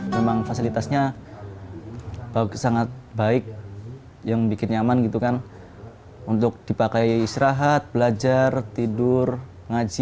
memang fasilitasnya sangat baik yang bikin nyaman gitu kan untuk dipakai istirahat belajar tidur ngaji